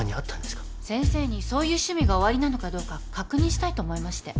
先生にそういう趣味がおありなのかどうか確認したいと思いまして。